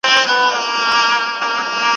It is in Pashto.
مامې په سکروټو کې خیالونه ورلېږلي وه